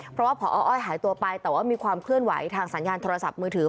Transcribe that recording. เพราะว่าพออ้อยหายตัวไปแต่ว่ามีความเคลื่อนไหวทางสัญญาณโทรศัพท์มือถือ